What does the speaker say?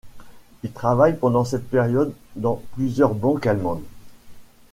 Il travaille pendant cette période dans plusieurs banques allemandes.